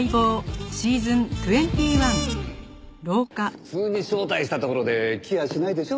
普通に招待したところで来やしないでしょ？